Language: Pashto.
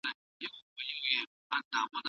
له نسیم سره له څانګو تویېدلای